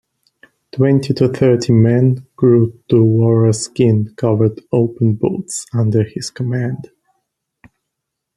Twenty to thirty men crewed two walrus-skin-covered open boats under his command.